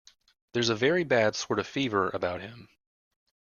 There's a very bad sort of fever about him.